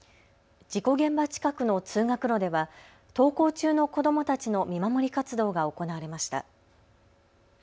事故現場近くの通学路では登校中の子どもたちの見守り活動が行われました。